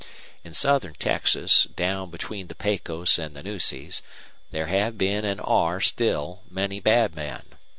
In southern Texas, down between the Pecos and the Nueces, there have been and are still many bad men.